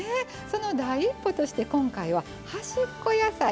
その第一歩として今回は「端っこ野菜」。